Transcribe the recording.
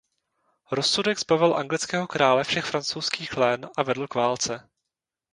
Rozsudek zbavil anglického krále všech francouzských lén a vedl k válce.